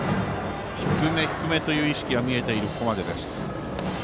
低め低めという意識が見えているここまでです。